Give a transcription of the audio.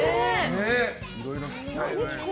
いろいろ聞きたいよね。